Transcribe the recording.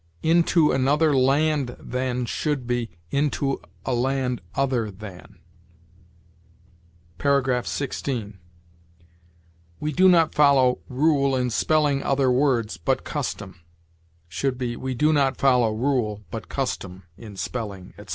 "Into another land than"; should be, "into a land other than." 16. "We do not follow rule in spelling other words, but custom"; should be, "we do not follow rule, but custom, in spelling," etc.